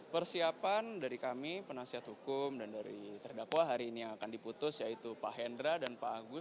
persiapan dari kami penasihat hukum dan dari terdakwa hari ini yang akan diputus yaitu pak hendra dan pak agus